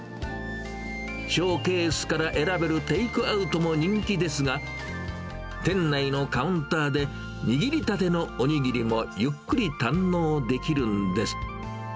ショーケースから選べるテイクアウトも人気ですが、店内のカウンターで、握りたてのおにぎりもゆっくり堪能できるんです。